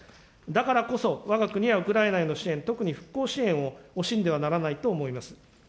だからこそ、わが国はウクライナへの支援、特に復興支援を惜しんではならないと思います。